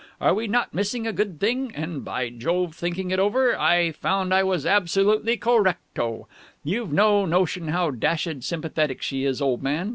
Are we not missing a good thing?' And, by Jove, thinking it over, I found that I was absolutely correct o! You've no notion how dashed sympathetic she is, old man!